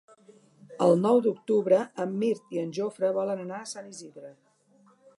El nou d'octubre en Mirt i en Jofre volen anar a Sant Isidre.